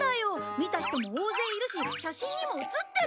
見た人も大勢いるし写真にも写ってる！